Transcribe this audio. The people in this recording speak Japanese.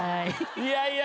いやいや。